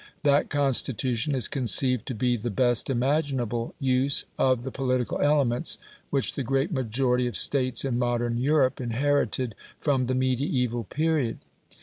That Constitution is conceived to be the best imaginable use of the political elements which the great majority of States in modern Europe inherited from the mediaeval period.